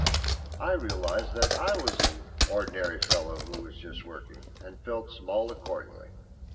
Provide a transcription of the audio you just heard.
I realised that I was an "ordinary fellow who was just working", and felt small accordingly.